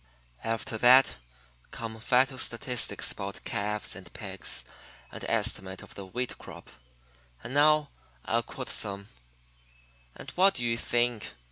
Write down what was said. After that come vital statistics about calves and pigs and an estimate of the wheat crop. And now I'll quote some: "'And what do you think!